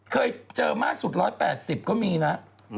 เคยเจอมากสุด๑๘๐ก็มีนะ